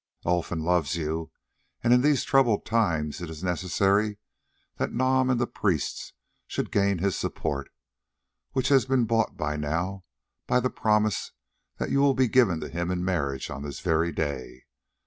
Olfan loves you, and in these troubled times it is necessary that Nam and the priests should gain his support, which has been bought but now by the promise that you will be given to him in marriage on this very day.